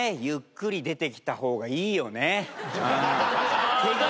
ゆっくり出てきた方がいいよね。